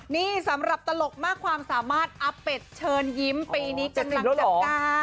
นี่สำหรับตลกมากความสามารถอเปชเชิญยิ้มปีนี้จังหละ